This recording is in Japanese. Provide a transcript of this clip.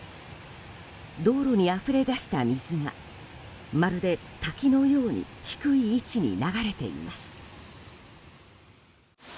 道路にあふれ出した水がまるで滝のように低い位置に流れています。